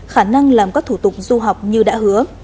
khả năng làm các thủ tục du học như đã hứa